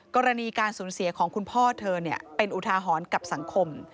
กรณีการสูญเสียของคุณพ่อเธอเป็นอุทาหรณ์กับสังคม